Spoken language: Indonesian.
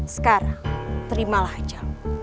sekarang terimalah aja